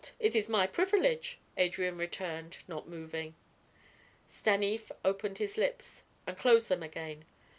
It is my privilege," Adrian returned, not moving. Stanief opened his lips, and closed them again.